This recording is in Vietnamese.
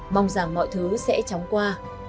mong rằng mọi thứ sẽ chóng qua